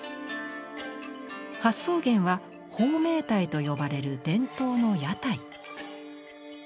発想源は豊明台と呼ばれる伝統の屋台。